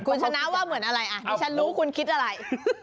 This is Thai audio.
คุณชนะว่าเหมือนอะไรอ่ะดิฉันรู้คุณคิดอะไร